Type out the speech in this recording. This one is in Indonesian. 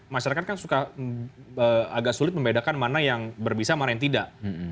masyarakat kan suka agak sulit membedakan mana yang berbisa mana yang tidak